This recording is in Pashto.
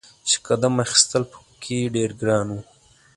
چې قدم اخیستل په کې ډیر ګران و.